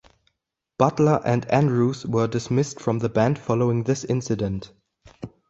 Butler and Andrews were dismissed from the band following this incident.